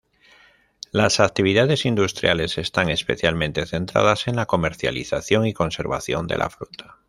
Las actividades industriales están especialmente centradas en la comercialización y conservación de la fruta.